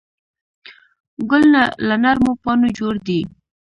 ګل له نرمو پاڼو جوړ دی.